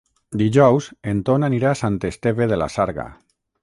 Dijous en Ton anirà a Sant Esteve de la Sarga.